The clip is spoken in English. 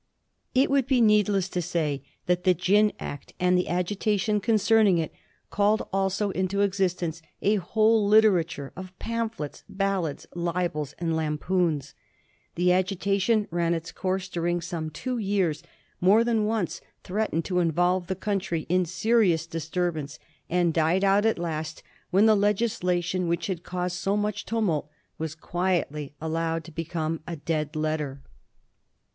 It would be needless to say that the Gin Act and the agitation concerning it called also into existence a whole literature of pamphlets, ballads, libels, and lampoons. The agitation ran its course during some two years, more than once threatened to involve the country in serious disturbance, and died out at last when the legislation which had caused so much tumult was quietly allowed to become a dead letter. 3* i$8 A HISTORT OF THE FOUR GEORGEa CH.xziy.